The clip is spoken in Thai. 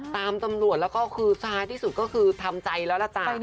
ตำรวจแล้วก็คือท้ายที่สุดก็คือทำใจแล้วล่ะจ๊ะ